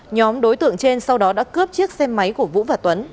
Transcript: nhóm đối tượng trên sau đó đã cướp chiếc xe máy của vũ và tuấn